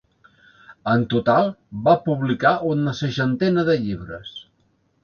En total va publicar una seixantena de llibres.